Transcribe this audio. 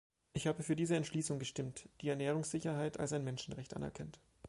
Ich habe für diese Entschließung gestimmt, die Ernährungssicherheit als ein Menschenrecht anerkennt.